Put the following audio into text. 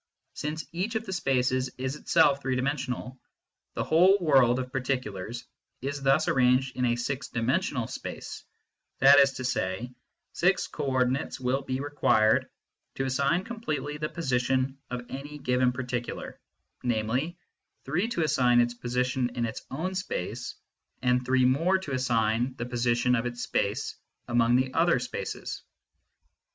Since each of the spaces is itself three dimensional, the whole world of particulars is thus arranged in a six dimensional space, that is to say, six co ordinates will be required to assign completely the position of any given particular, namely, three to assign its position in its own space and three more to assign the position of its space among the other spaces.